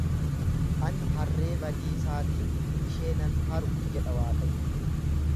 Ani harree badiisaatiin ishee nan haru jedha Waaqayyo.